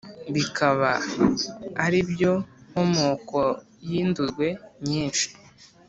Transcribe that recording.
Bikaba ari byo nkomokoyindurwe nyinshi